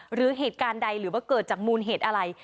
หรือเหตุการณ์ใดหรือว่าเกิดจากมูลเหตุอะไร